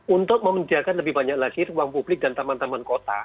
untuk memenjadikan lebih banyak lagi ruang publik dan teman teman kota